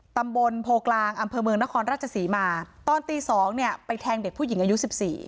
ตำบลโพกลางอำเภอเมืองนครราชศรีมาตอนตีสองเนี่ยไปแทงเด็กผู้หญิงอายุสิบสี่